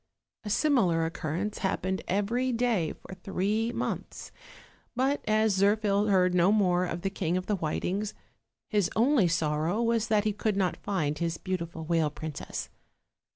A similar occurrence happened every day for three months; but as Zirphil heard no more of the King of the Whitings, his only sorrow was that he could not find his beautiful whale princess.